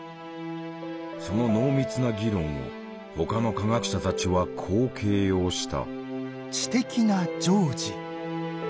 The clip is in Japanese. その濃密な議論を他の科学者たちはこう形容した。